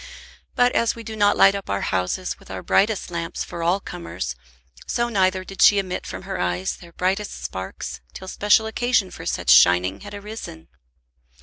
But as we do not light up our houses with our brightest lamps for all comers, so neither did she emit from her eyes their brightest sparks till special occasion for such shining had arisen.